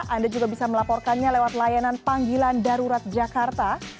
anda juga bisa melaporkannya lewat layanan panggilan darurat jakarta